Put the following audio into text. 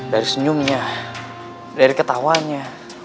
dari senyumnya dari ketawanya